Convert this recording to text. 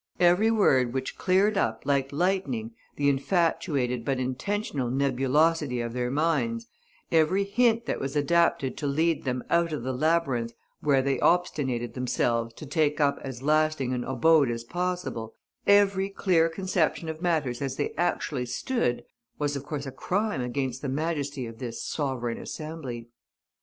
Every word which cleared up, like lightning, the infatuated, but intentional nebulosity of their minds, every hint that was adapted to lead them out of the labyrinth where they obstinated themselves to take up as lasting an abode as possible, every clear conception of matters as they actually stood, was, of course, a crime against the majesty of this Sovereign Assembly.